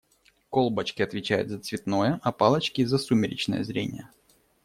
Колбочки отвечают за цветное, а палочки - за сумеречное зрение.